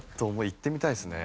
行ってみたいですね。